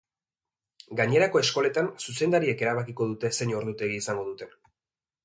Gainerako eskoletan zuzendariek erabakiko dute zein ordutegi izango duten.